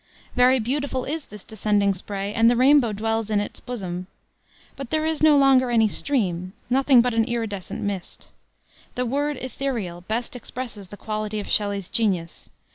Very beautiful is this descending spray, and the rainbow dwells in its bosom; but there is no longer any stream, nothing but an irridescent mist. The word etherial, best expresses the quality of Shelley's genius.